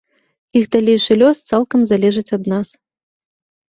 Іх далейшы лёс цалкам залежыць ад нас.